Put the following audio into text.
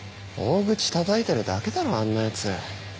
大口たたいてるだけだろあんなやつ。